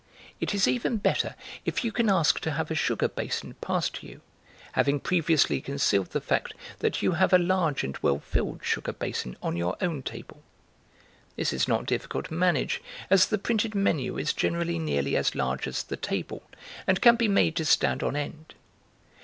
It is even better if you can ask to have a sugar basin passed to you, having previously concealed the fact that you have a large and well filled sugar basin on your own table; this is not difficult to manage, as the printed menu is generally nearly as large as the table, and can be made to stand on end.